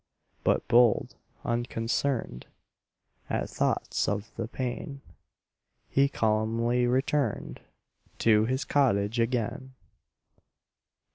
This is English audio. But bold, unconcern'd At thoughts of the pain, He calmly return'd To his cottage again.